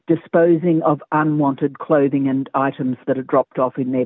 ia menawarkan tes sederhana yang bisa kita gunakan untuk menentukan